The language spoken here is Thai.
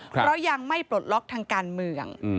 เพราะยังไม่ปลดล็อกทางการเมือง